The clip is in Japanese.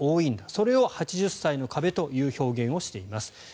それを８０歳の壁という表現をしています。